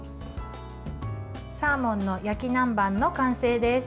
サーモンの焼き南蛮の完成です。